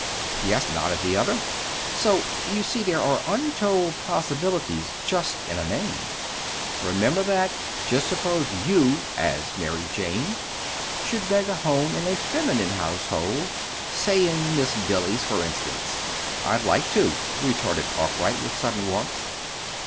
"Yes," nodded the other. "So you see there are untold possibilities just in a name. Remember that. Just suppose you, as Mary Jane, should beg a home in a feminine household say in Miss Billy's, for instance!" "I'd like to," retorted Arkwright, with sudden warmth.